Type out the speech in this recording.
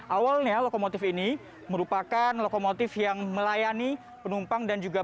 awalnya lokomotif ini merupakan lokomotif yang melayani penumpang dan juga